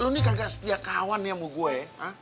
lo ini kagak setia kawan ya sama gue